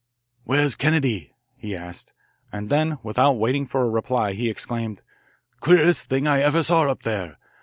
"Where's Kennedy?" he asked, and then, without waiting for a reply, he exclaimed: "Queerest thing I ever saw up there.